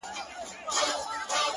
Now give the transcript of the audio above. • له شهبازونو هیري نغمې دي ,